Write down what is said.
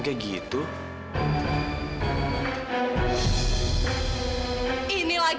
maksudnya dia tersenycolored